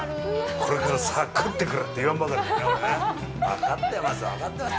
これから、さあ、食ってくれって言わんばかりですね。